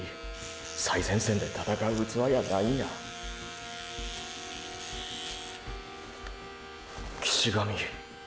最前線で闘う器やないんや岸神。